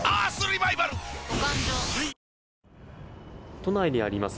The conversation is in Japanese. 都内にあります